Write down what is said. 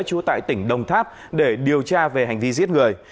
trú tại tỉnh đồng tháp để điều tra về hành vi giết người